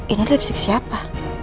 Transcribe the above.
ini lipstick siapa